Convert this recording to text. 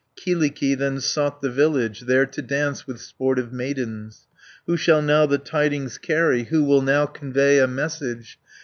Kyllikki then sought the village, There to dance with sportive maidens. Who shall now the tidings carry, Who will now convey a message?